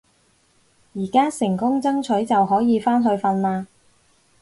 而家成功爭取就可以返去瞓啦